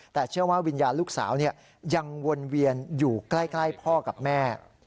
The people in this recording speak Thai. แต่เชื่อว่าวิญญาณลูกสาวยังวนเวียนอยู่ใกล้พ่อกับแม่